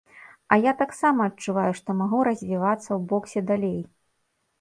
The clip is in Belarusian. А я таксама адчуваю, што магу развівацца ў боксе далей.